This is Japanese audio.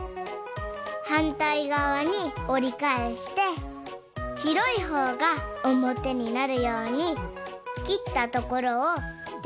はんたいがわにおりかえしてしろいほうがおもてになるようにきったところをテープでペトッ。